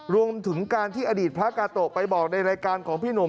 รวมถึงการที่อดีตพระกาโตะไปบอกในรายการของพี่หนุ่ม